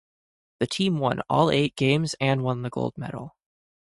The team won all eight games and won the gold medal.